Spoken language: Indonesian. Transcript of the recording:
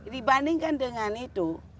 dibandingkan dengan itu